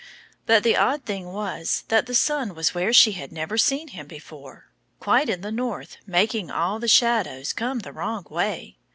But the odd thing was that the sun was where she had never seen him before, quite in the north, making all the shadows come the wrong way.